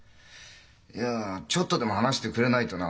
いやちょっとでも話してくれないとな